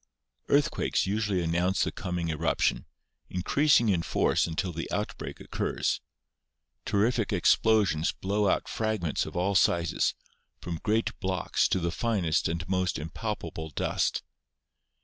Earthquakes usually announce the coming eruption, increasing in force until the outbreak occurs. Terrific explosions blow out fragments of all sizes, from great blocks to the finest and most impalpable dust.